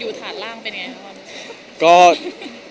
อยู่ฐานล่างเป็นยังไงครับ